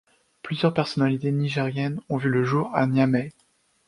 Plusieurs personnalités nigériennes ont vu le jour à Niamey.